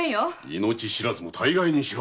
命知らずも大概にしろ！